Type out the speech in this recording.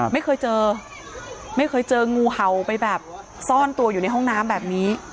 ไม่เคยเจอไม่เคยเจองูเห่าไปแบบซ่อนตัวอยู่ในห้องน้ำแบบนี้